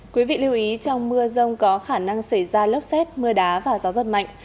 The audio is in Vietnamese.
quý vị lưu ý trong mưa rông có khả năng xảy ra lốc xét mưa đá và gió rất mạnh